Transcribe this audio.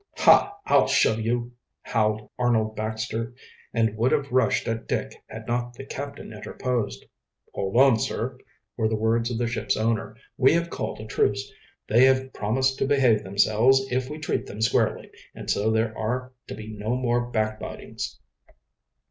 "Ha! I'll show you!" howled Arnold Baxter, and would have rushed at Dick had not the captain interposed. "Hold on, sir," were the words of the ship's owner. "We have called a truce. They have promised to behave themselves if we treat them squarely, and so there are to be no more back bitings."